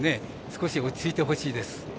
少し落ち着いてほしいです。